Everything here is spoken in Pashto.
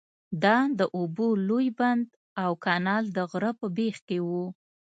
دا د اوبو لوی بند او کانال د غره په بیخ کې وو.